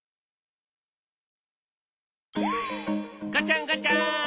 ガチャンガチャン！